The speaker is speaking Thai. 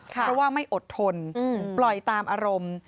เพราะว่าไม่อดทนปล่อยตามอารมณ์